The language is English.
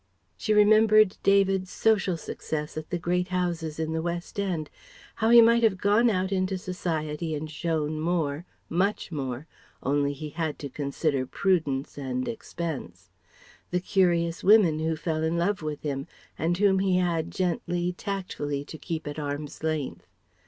She remembered David's social success at the great houses in the West End. How he might have gone out into Society and shone more, much more, only he had to consider prudence and expense; the curious women who fell in love with him, and whom he had gently, tactfully to keep at arm's length.